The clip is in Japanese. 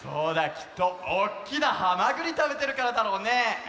きっとおっきなハマグリたべてるからだろうね。